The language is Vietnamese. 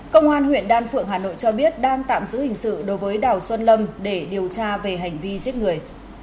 công an huyện đan phượng hà nội cho biết đang tạm giữ hình sự đối với đào xuân lâm để điều tra về hành vi giết người